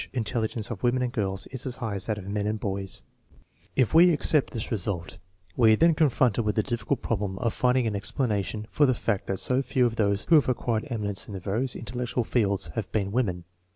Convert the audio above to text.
INTELLIGENCE QUOTIENTS ANALYZED 69 If we accept this result we are then confronted with the difficult problem of finding an explanation for the fact that so few of those who have acquired eminence in the various intellectual fields have been women.